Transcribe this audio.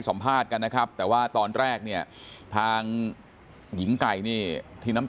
สัมภาษณ์กันนะครับแต่ว่าตอนแรกเนี่ยทางหญิงไก่นี่ที่น้ำ